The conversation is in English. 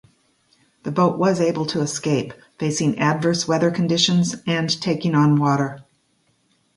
The boat was able to escape, facing adverse weather conditions and taking on water.